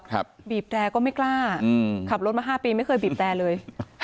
บีบแตรก็ไม่กล้าอืมขับรถมา๕ปีไม่เคยบีบแตรเลย